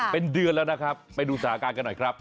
เป็นเดือนแล้วนะครับไปดูสถานการณ์กันหน่อยครับ